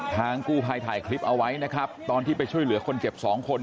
ทางกู้ภัยถ่ายคลิปเอาไว้นะครับตอนที่ไปช่วยเหลือคนเจ็บสองคน